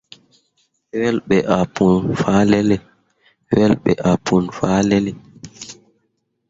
Wel ɓe ah pũu fahlalle.